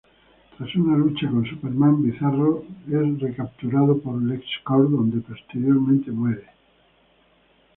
Tras una lucha con Superman, Bizarro es recapturado por LexCorp donde posteriormente muere.